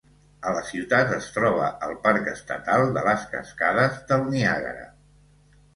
A la ciutat es troba el parc estatal de les cascades del Niàgara.